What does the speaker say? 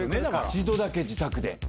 一度だけ自宅で？